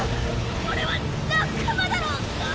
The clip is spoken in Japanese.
俺は仲間だろが。